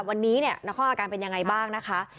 วันนี้เนี่ยนครอาการเป็นยังไงบ้างนะคะ